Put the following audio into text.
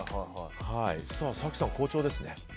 早紀さん、好調ですね。